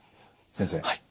先生。